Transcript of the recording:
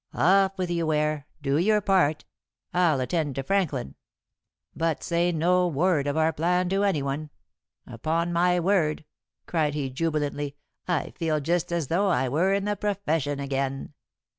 "Off with you, Ware, to do your part. I'll attend to Franklin. But say no word of our plan to any one. Upon my word," cried he jubilantly, "I feel just as though I were in the profession again."